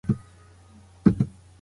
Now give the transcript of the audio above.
مانا به له غږه راځي.